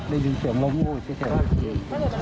ได้ยินเสียงลมวูดซิเทป